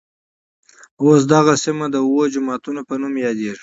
اوس دغه سیمه د اوه جوماتونوپه نوم يادېږي.